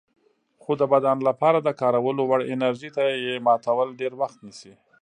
خو د بدن لپاره د کارولو وړ انرژي ته یې ماتول ډېر وخت نیسي.